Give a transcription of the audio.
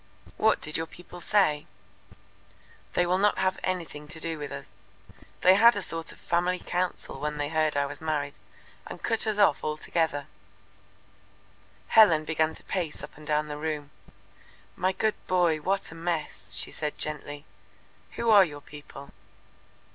"What did your people say?" "They will not have anything to do with us. They had a sort of family council when they heard I was married, and cut us off altogether." Helen began to pace up and down the room. "My good boy, what a mess!" she said gently. "Who are your people?"